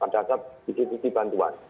jadi kita harus tetap dikutip kutip bantuan